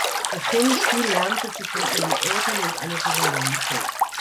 Das Tennisspiel lernte sie von ihren Eltern und einer Gouvernante.